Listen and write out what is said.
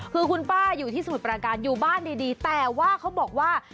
คือคุณป้าอยู่ที่สมุทรประการอยู่บ้านดีแต่ว่าเขาบอกว่า